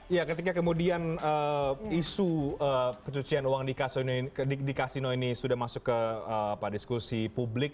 ya ketika kemudian isu pencucian uang di kasino ini sudah masuk ke diskusi publik